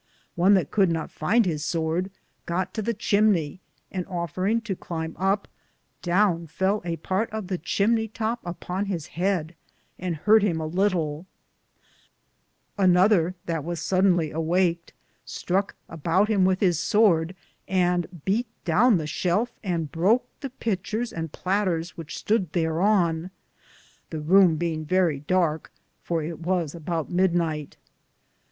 One that could not finde his sorde, goot to the Chimnay, and offeringe to climbe up, Downe fell a parte of the chimnaye tope upon his heade, and hurte him a litle ; another, that was sodonly awakede, strouke aboute him with his sorde, and beate downe the shelfe and broke the pitcheres and plateres which stood thar on ; the roume being verrie darke, for it was a boute mydnyghte.